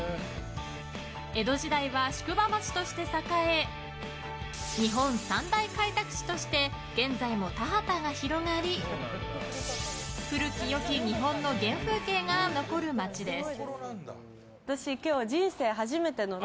江戸時代は宿場町として栄え日本三大開拓地として現在も田畑が広がり、古き良き日本の原風景が残る町です。